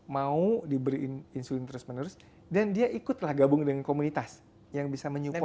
mau diberi insulin terus menerus dan dia ikutlah gabung dengan komunitas yang bisa menyukai